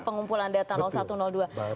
pengumpulan data satu dua